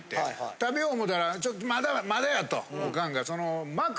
食べよう思ったらまだやまだやと。